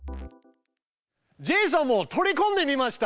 ジェイソンも取りこんでみました。